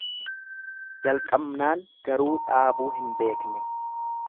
jalqabnaan garuu dhaabuu hin beekne.